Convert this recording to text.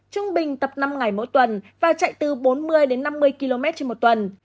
trung bình tập năm ngày mỗi tuần và chạy từ bốn mươi đến năm mươi km trên một tuần